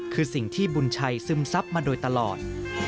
คือสิ่งที่บุญชัยซึมซับมาโดยตลอด